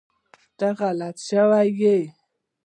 ته غلط شوی ېي